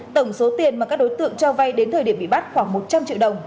tổng số tiền mà các đối tượng cho vay đến thời điểm bị bắt khoảng một trăm linh triệu đồng